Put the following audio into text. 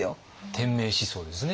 天命思想ですね。